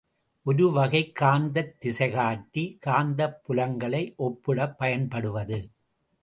ஒரு வகைக் காந்தத் திசைக்காட்டி, காந்தப் புலங்களை ஒப்பிடப் பயன்படுவது.